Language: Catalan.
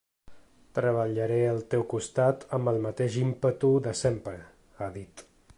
Treballaré al teu costat amb el mateix ímpetu de sempre, ha dit.